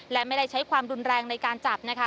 และไม่ได้ใช้ความรุนแรงในการจับนะคะ